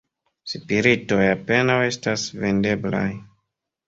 Spiritoj apenaŭ estas vendeblaj.